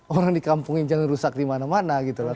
orang di kampung ini jangan rusak di mana mana